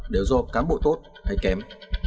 đều do cán bộ tốt hay kém